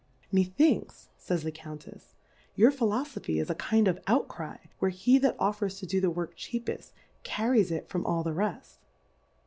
Methinks, fajs the Countefs^ your Phi lofophy is a kind of Out cry, where he that offers to Ao the Work cheapeft, car ries it from all the reft.